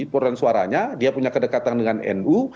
perorangan suaranya dia punya kedekatan dengan nu